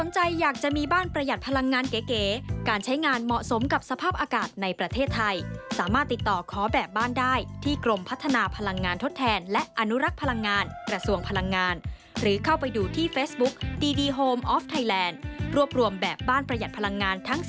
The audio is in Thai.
ชัดรัฐโภคธนวัติข่าวไทยรัฐทีวีรายงาน